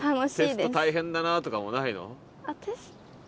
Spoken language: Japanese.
「テスト大変だな」とかもないの？